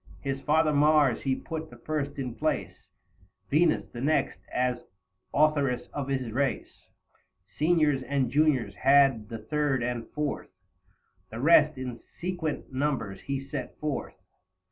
40 His father Mars he put the first in place ; Venus the next as authoress of his race ; Seniors and Juniors had the third and fourth ; The rest in sequent numbers he set forth.